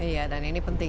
iya dan ini penting